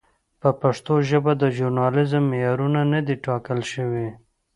په پښتو ژبه د ژورنالېزم معیارونه نه دي ټاکل شوي.